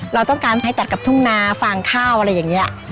เราต้องการให้ตัดกับทุ่งนาฟางข้าวอะไรอย่างนี้